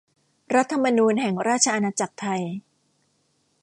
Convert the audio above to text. รัฐธรรมนูญแห่งราชอาณาจักรไทย